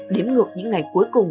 đếm ngược những ngày cuối cùng